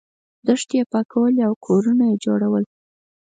دښتې یې پاکولې او کورونه یې جوړول.